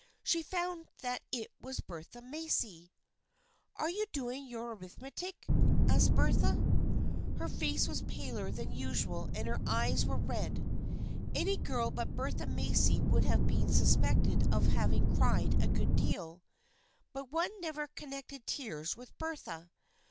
She found that it was Bertha Macy. " Are you doing your arithmetic? " asked Bertha. Her face was paler than usual and her eyes were red. Any girl but Bertha Macy would have been suspected of having cried a good deal, but one never connected tears with Bertha.